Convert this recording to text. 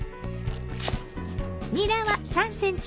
にらは３ｃｍ